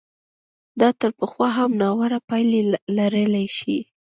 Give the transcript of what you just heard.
دا تر پخوا هم ناوړه پایلې لرلای شي.